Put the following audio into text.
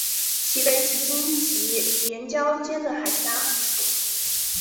其北起荆棘岩礁间的海峡。